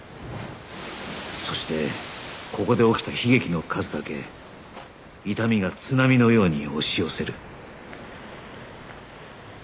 そしてここで起きた悲劇の数だけ痛みが津波のように押し寄せる